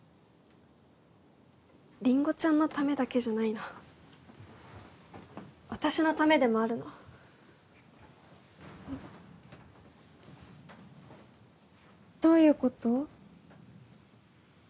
りんごちゃんのためだけじゃないの私のためでもあるのどういうこと？